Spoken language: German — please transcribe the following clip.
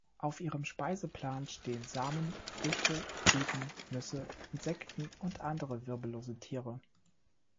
Auf ihrem Speiseplan stehen Samen, Früchte, Blüten, Nüsse, Insekten und andere wirbellose Tiere.